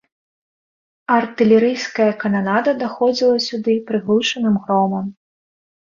Артылерыйская кананада даходзіла сюды прыглушаным громам.